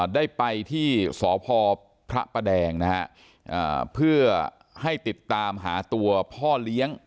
ได้ไปที่สพพระประแดงนะฮะเพื่อให้ติดตามหาตัวพ่อเลี้ยง